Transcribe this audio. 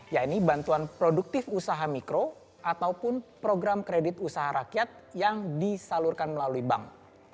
yaitu bantuan produktif usaha mikro ataupun program kredit usaha rakyat yang disalurkan melalui bank